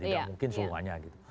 tidak mungkin semuanya